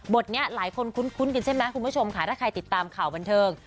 นี้หลายคนคุ้นกันใช่ไหมคุณผู้ชมค่ะถ้าใครติดตามข่าวบันเทิง